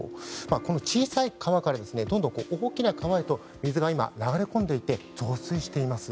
この小さい川からどんどん大きな川へと水が流れ込んでいて増水しています。